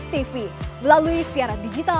ppr lagi linda yang dua itu